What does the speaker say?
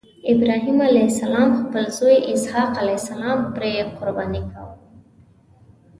ابراهیم علیه السلام خپل زوی اسحق علیه السلام پرې قرباني کاوه.